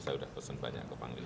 saya sudah pesan banyak ke panglima